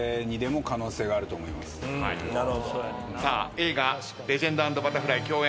映画『レジェンド＆バタフライ』共演